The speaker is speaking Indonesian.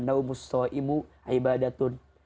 naumus so'imu aibadatun